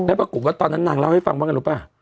แล้วปรากฏว่าตอนนั้นนางเล่าให้ฟังว่าไงรู้ป่ะ